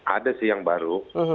ada sih yang baru